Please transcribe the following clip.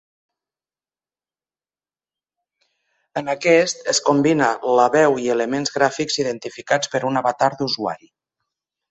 En aquest, es combina la veu i elements gràfics identificats per un avatar d'usuari.